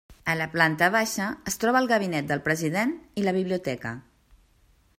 A la planta baixa es troba el Gabinet del President i la Biblioteca.